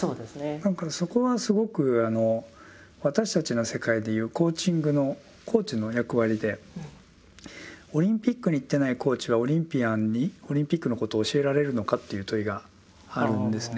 何かそこはすごく私たちの世界でいうコーチングのコーチの役割でオリンピックに行ってないコーチはオリンピアンにオリンピックのことを教えられるのかという問いがあるんですね。